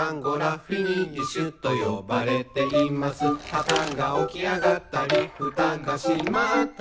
「はたが起き上がったりふたが閉まったり」